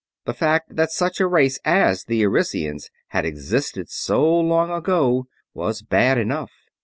The fact that such a race as the Arisians had existed so long ago was bad enough.